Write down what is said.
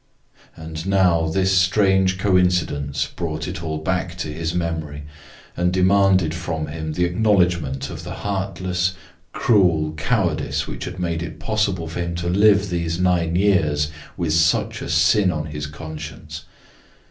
And now this strange coincidence brought it all back to his memory, and demanded from him the acknowledgment of the heartless, cruel cowardice which had made it possible for him to live these nine years with such a sin on his conscience.